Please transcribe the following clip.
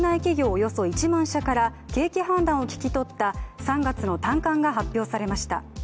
およそ１万社から景気判断を聞き取った３月の短観が発表されました。